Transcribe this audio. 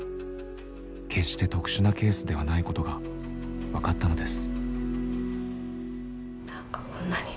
決して特殊なケースではないことが分かったのです。